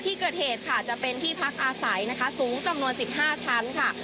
ที่เกิดเหตุค่ะจะเป็นที่พักอาศัยนะคะสูงจำนวน๑๕ชั้นค่ะ